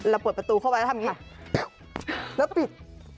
เปิดประตูเข้าไปแล้วทำอย่างนี้แล้วปิด